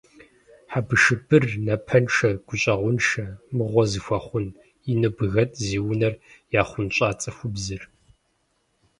Хьэбыршыбыр, напэншэ, гущӏэгъуншэ, мыгъуэ зыхуэхъун! - ину бгэт зи унэр яхъунщӏа цӏыхубзыр.